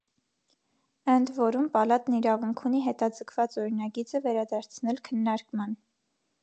Ընդ որում, պալատն իրավունք ունի հետաձգված օրինագիծը վերադարձնել քննարկման։